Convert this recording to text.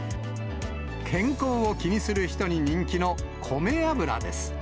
健康を気にする人に人気の米油です。